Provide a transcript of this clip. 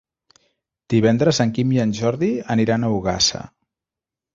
Divendres en Guim i en Jordi aniran a Ogassa.